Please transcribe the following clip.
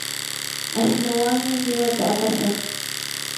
ashnuwanmi qiwata apashaq.